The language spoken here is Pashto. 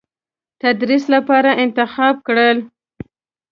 تدریس لپاره انتخاب کړل.